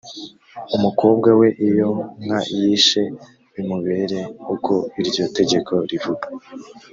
umukobwa we iyo nka yishe bimubere uko iryo tegeko rivuga